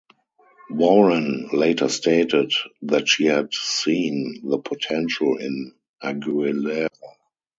Warren later stated that she had seen the potential in Aguilera.